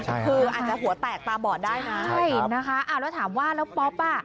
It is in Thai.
คืออาจจะหัวแตกตาบอดได้นะใช่นะคะอ่าแล้วถามว่าแล้วป๊อปอ่ะ